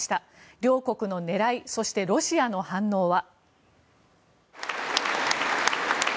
両国の狙いそしてロシアの反応は？